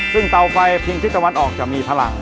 ซึ่งเตาไฟพิงทิศตะวันออกจะมีพลัง